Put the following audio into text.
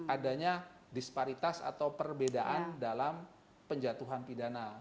adanya disparitas atau perbedaan dalam penjatuhan pidana